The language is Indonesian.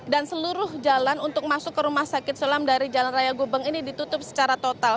dan seluruh jalan untuk masuk ke rumah sakit siloam dari jalan raya gubeng ini ditutup secara total